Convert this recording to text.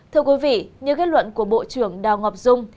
thưa quý vị như kết luận của bộ trưởng đào ngọc dung